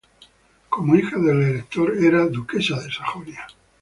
Como hija del Elector, era duquesa de Sajonia.